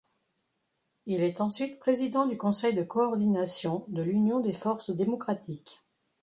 Il est ensuite président du conseil de coordination de l'Union des forces démocratiques.